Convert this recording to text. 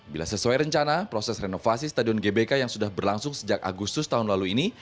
bila sesuai rencana proses renovasi stadion gbk yang sudah berlangsung sejak agustus tahun lalu ini